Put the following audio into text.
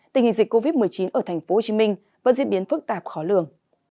tình hình dịch covid một mươi chín ở tp hcm vẫn diễn biến phức tạp khó lường